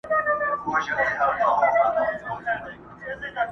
چي يې مور شېردل ته ژبه ورنژدې کړه!.